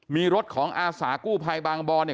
มีรถของอาสากู้ภัยบางบอลเนี่ย